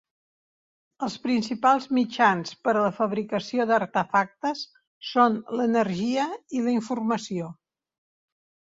Els principals mitjans per a la fabricació d'artefactes són l'energia i la informació.